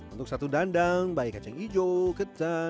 untuk satu dandang baik kacang hijau ketan lutut dan adonan